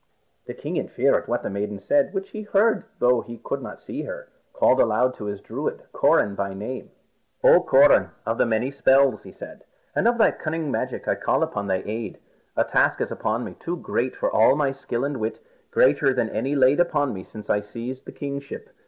The king in fear at what the maiden said, which he heard though he could not see her, called aloud to his Druid, Coran by name. "Oh, Coran of the many spells," he said, "and of the cunning magic, I call upon thy aid. A task is upon me too great for all my skill and wit, greater than any laid upon me since I seized the kingship.